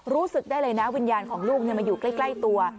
รู้สึกได้เลยนะวิญญาณของลูกมาอยู่ใกล้ตัว